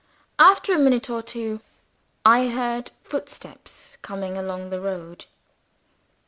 After a minute or two, I heard footsteps coming along the road.